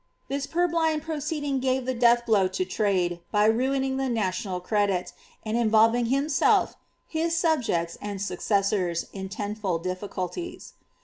This purblind proceed mg gave the death blow to trade, by ruining the national credit, and involving himself, his subjects, and successors in tenfold difficulties.'